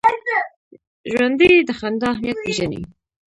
ژوندي د خندا اهمیت پېژني